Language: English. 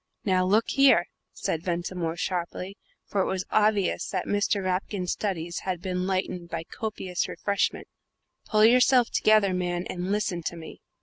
"Now, look here," said Ventimore, sharply for it was obvious that Mr. Rapkin's studies had been lightened by copious refreshment "pull yourself together, man, and listen to me."